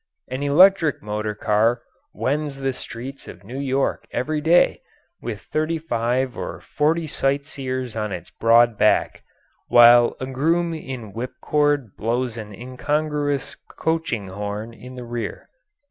An electric motor car wends the streets of New York every day with thirty five or forty sightseers on its broad back, while a groom in whipcord blows an incongruous coaching horn in the rear.